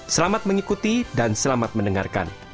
selamat mengikuti dan selamat mendengarkan